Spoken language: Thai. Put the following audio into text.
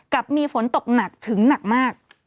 กับมีฝนตกหนักถึงหนักมาก